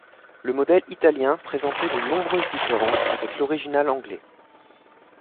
Le modèle italien présentait de nombreuses différences avec l'original anglais.